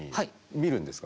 見るんですか？